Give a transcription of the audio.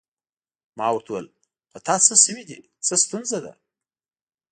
ما ورته وویل: په تا څه شوي دي؟ څه ستونزه ده؟